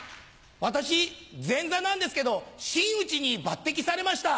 私前座なんですけど真打ちに抜擢されました。